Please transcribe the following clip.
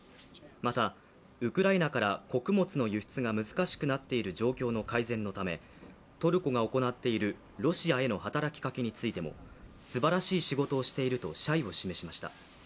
またウクライナから穀物の輸出が難しくなっている状況の改善のためトルコが行っているロシアへの働きかけについてもすばらしい仕事をしていると謝意を示しました。